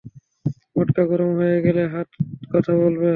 মটকা গরম হয়ে গেলে হাত কথা বলবে।